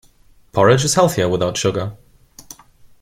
Porridge is healthier without sugar.